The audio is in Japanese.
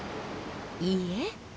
いいえ